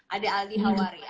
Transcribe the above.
ada aldi hawari